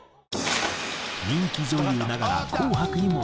人気女優ながら『紅白』にも出場。